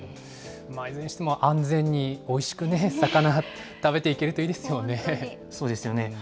いずれにしても、安全に、おいしくね、魚、食べていけるといそうですよね。